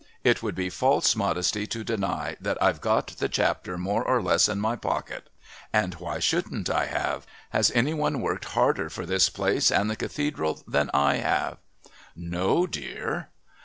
It would be false modesty to deny that I've got the Chapter more or less in my pocket And why shouldn't I have? Has any one worked harder for this place and the Cathedral than I have?" "No, dear."